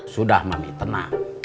sudah mami tenang